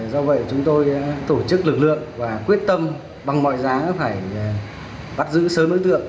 do vậy chúng tôi tổ chức lực lượng và quyết tâm bằng mọi giá phải bắt giữ sớm đối tượng